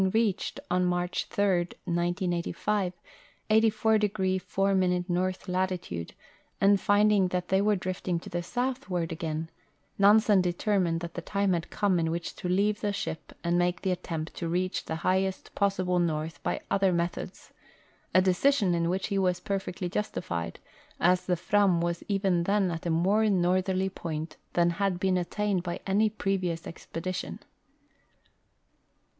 They continued drifting with the ice in this manner for nearly eighteen months, when, having reached on March 3, 1895, 84° 4' north latitude, and finding they were drifting to the southward again, Xansen determined that the time had come in which to leave the ship and make the attempt to reach the highest possible north by other methods — a decision in which he was perfectly justified, as the Fram was even then at a more northerly point than had been attained by any previous expedition.